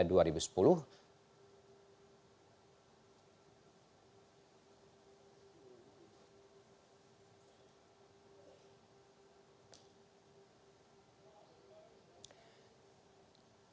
nama lain yang diisukan balfa adalah